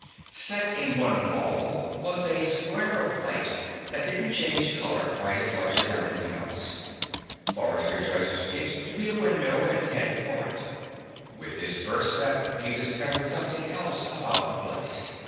Set in one wall was a square of light that didn't change color quite as much as everything else. Forrester judged it to be a window and headed for it. With his first step, he discovered something else about the place.